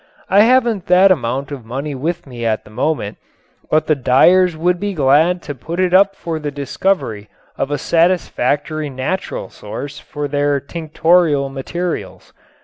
I haven't that amount of money with me at the moment, but the dyers would be glad to put it up for the discovery of a satisfactory natural source for their tinctorial materials.